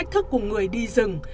thức của người đi rừng